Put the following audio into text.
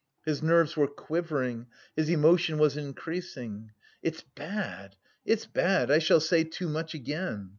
His nerves were quivering, his emotion was increasing. "It's bad, it's bad! I shall say too much again."